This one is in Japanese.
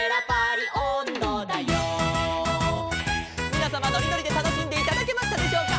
「みなさまのりのりでたのしんでいただけましたでしょうか」